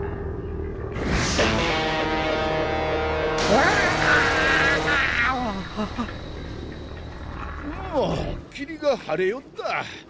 おお霧が晴れよった。